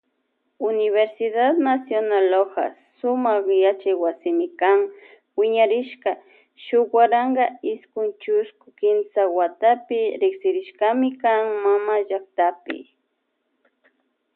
Universidad nacional Loja sumak yachaywasikan wiñarirka shuk waranka iskun chusku kimsa watapi riksirishkami kan mama llaktapi.